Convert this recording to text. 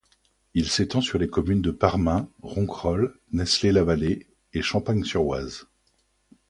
Il s'étend sur les communes de Parmain, Ronquerolles, Nesles-la-Vallée et Champagne-sur-Oise.